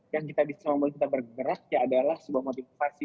yang kita bisa membuat kita bergerak ya adalah sebuah motivasi